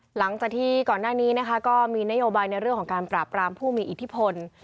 หลังจากที่ก่อนหน้านี้นะคะก็มีนโยบายในเรื่องของการปราบรามผู้มีอิทธิพล